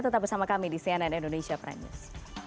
tetap bersama kami di cnn indonesia prime news